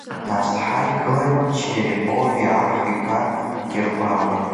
Насҭха игылан черепови аҳ иԥа Гьыргәали.